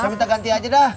saya minta ganti aja dah